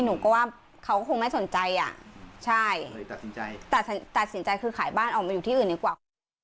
หนูก็ว่าเขาก็คงไม่สนใจอ่ะใช่เลยตัดสินใจตัดสินใจคือขายบ้านออกมาอยู่ที่อื่นดีกว่า